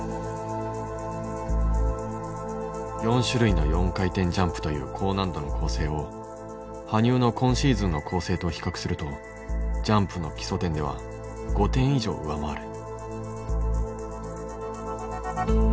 ４種類の４回転ジャンプという高難度の構成を羽生の今シーズンの構成と比較するとジャンプの基礎点では５点以上上回る。